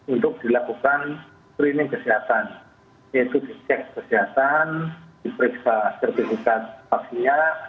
untuk dilakukan screening kesehatan yaitu dicek kesehatan diperiksa sertifikat vaksinnya